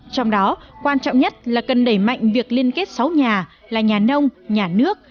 trong đó quan trọng nhất là cần đẩy mạnh việc liên kết sáu nhà là nhà nông nhà nước